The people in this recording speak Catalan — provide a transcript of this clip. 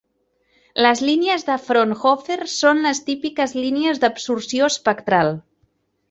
Les línies de Fraunhofer són les típiques línies d'absorció espectral.